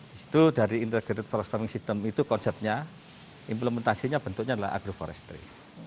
di situ dari integrated forest farming system itu konsepnya implementasinya bentuknya adalah agroforestry